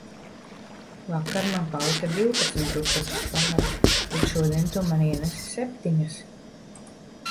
Vakar man palika divpadsmit drupačas pāri, bet šodien tu man ienesi septiņas